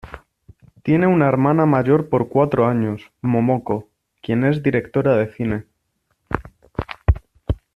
Tiene una hermana mayor por cuatro años, Momoko, quien es directora de cine.